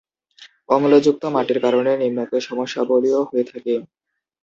অম্লযুক্ত মাটির কারণে নিম্নোক্ত সমস্যাবলীও হয়ে থাকে।